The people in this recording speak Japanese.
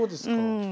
うん。